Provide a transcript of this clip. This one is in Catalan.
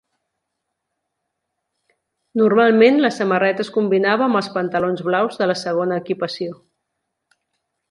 Normalment la samarreta es combinava amb els pantalons blaus de la segona equipació.